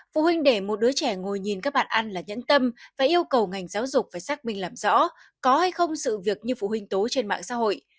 phụ huynh để một đứa trẻ ngồi nhìn các bạn ăn là nhẫn tâm và yêu cầu ngành giáo dục phải xác minh làm rõ có hay không sự việc như phụ huynh tố trên mạng xã hội